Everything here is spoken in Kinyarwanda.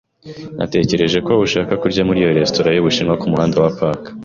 Natekereje ko ushaka kurya muri iyo resitora yubushinwa kumuhanda wa Park.